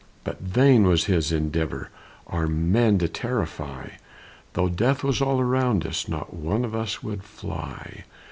But vain was his endeavor Our men to terrify; Though death was all around us, Not one of us would fly.